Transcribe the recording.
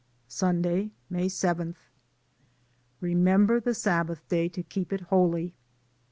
Sunday, May 7. "Remember the Sabbath Day to keep it holy."